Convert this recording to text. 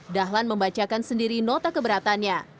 dahlan membacakan sendiri nota keberatannya